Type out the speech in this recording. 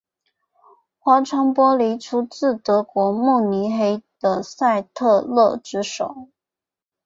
花窗玻璃出自德国慕尼黑的赛特勒之手。